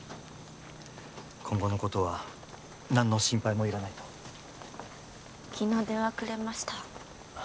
今後のことは何の心配もいらないと昨日電話くれました